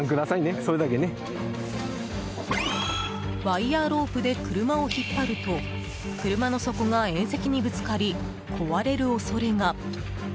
ワイヤロープで車を引っ張ると車の底が縁石にぶつかり壊れる恐れが。